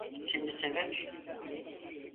Seni sever.